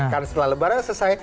karena setelah lebaran selesai